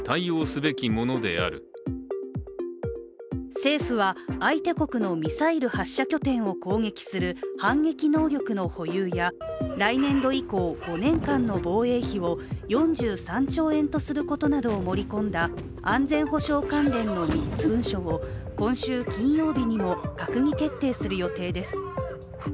政府は、相手国のミサイル発射拠点を攻撃する反撃能力の保有や来年度以降、５年間の防衛費を４３兆円とすることなどを盛り込んだ安全保障関連の３つの文書を今週金曜日にも閣議決定する予定です。